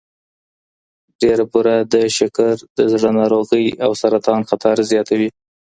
ډېره بوره د شکر، د زړه ناروغۍ او سرطان خطر زیاتوي.